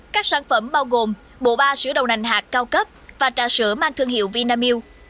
các sản phẩm bao gồm bộ ba sữa đầu nành hạt cao cấp và trà sữa mang thương hiệu vinamilk